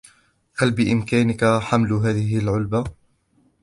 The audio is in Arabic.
هل بإمكانك حمل هذه العلبة؟